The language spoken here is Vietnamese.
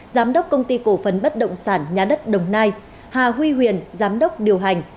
giám đốc công ty cổ phấn bất động sản nhà đất đồng nai hà huy huyền giám đốc điều hành